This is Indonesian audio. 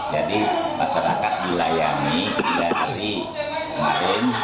jadi masyarakat dilayani dari kemarin